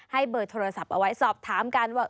เบอร์โทรศัพท์เอาไว้สอบถามกันว่า